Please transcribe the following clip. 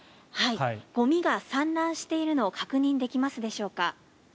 ゴミが散乱しているのを確認できますでしょうか。